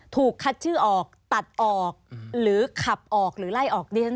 ถูกคัดชื่อออกตัดออกหรือขับออกหรือไล่ออกดิฉัน